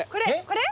これ？